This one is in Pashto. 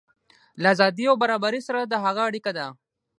له ازادۍ او برابرۍ سره د هغه اړیکه ده.